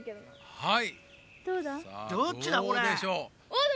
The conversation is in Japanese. はい。